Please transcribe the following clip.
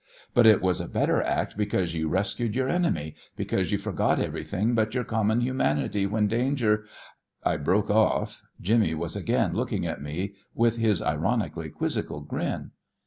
But it was a better act because you rescued your enemy, because you forgot everything but your common humanity when danger " I broke off. Jimmy was again looking at me with his ironically quizzical grin.